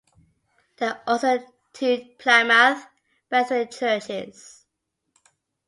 There are also two Plymouth Brethren churches.